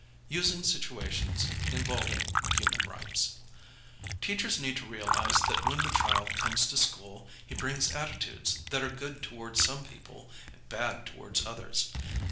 Using Situations Ijivolving Human Rights Teachers need to realize that when the child comes to school he brings attitudes that are good toward some people, bad toward others.